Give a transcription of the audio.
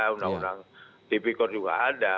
undang undang tipikor juga ada